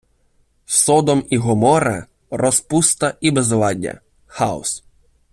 Содом і Гоморра — розпуста і безладдя, хаос